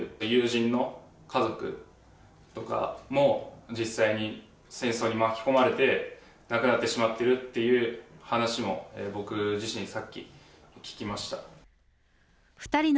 友人の家族とかも、実際に戦争に巻き込まれて亡くなってしまっているっていう話も僕自身、さっき聞きました。